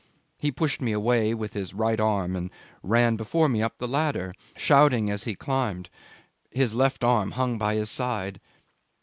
He pushed me away with his right arm and ran before me up the ladder, shouting as he climbed. His left arm hung by his side.